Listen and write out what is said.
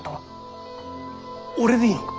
俺でいいのか？